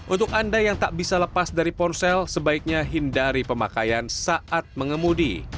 untuk anda yang tak bisa lepas dari ponsel sebaiknya hindari pemakaian saat mengemudi